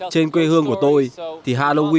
trên quê hương của tôi